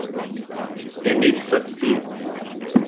And it succeeds.